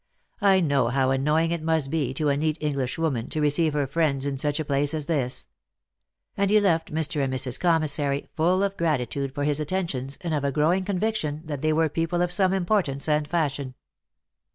I know how annoying it must be to a neat English woman to receive her friends in such a place as this." And he left Mr. and Mrs. Commissary full of grati tude for his attentions, and of a growing conviction that they were people of some importance and fashion.